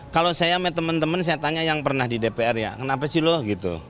kalau saya sama teman teman saya tanya yang pernah di dpr ya kenapa sih loh gitu